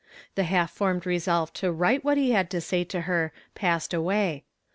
The half formed resolve to write what he had to say to her passed nway.